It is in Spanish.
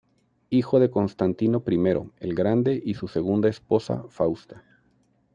Hijo de Constantino I el Grande y su segunda esposa, Fausta.